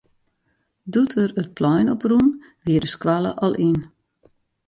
Doe't er it plein op rûn, wie de skoalle al yn.